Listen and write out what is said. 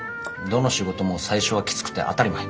どの仕事も最初はきつくて当たり前。